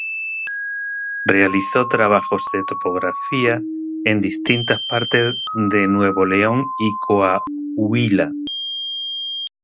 Realizó trabajos de topografía en distintas partes de Nuevo León y Coahuila.